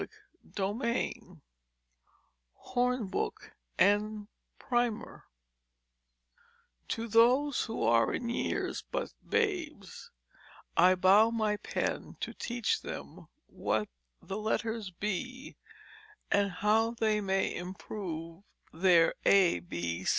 CHAPTER V HORNBOOK AND PRIMER _To those who are in years but Babes I bow My Pen to teach them what the Letters be, And how they may improve their A.